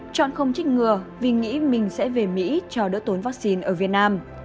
chọn không trích ngừa vì nghĩ mình sẽ về mỹ cho đỡ tốn vaccine ở việt nam